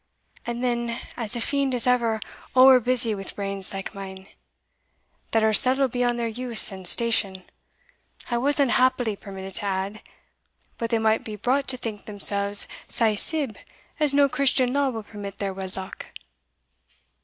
And then, as the fiend is ever ower busy wi' brains like mine, that are subtle beyond their use and station, I was unhappily permitted to add But they might be brought to think themselves sae sibb as no Christian law will permit their wedlock.